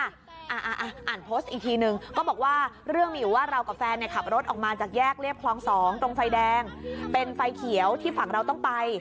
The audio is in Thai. อ่าอ่านโพสต์อีกทีนึงก็บอกว่าเรื่องมีอยู่ว่าเรากับแฟนเนี่ยขับรถออกมาจากแยกเรียบคลองสองตรงไฟแดงเป็นไฟเขียวที่ฝั่งเราต้องไป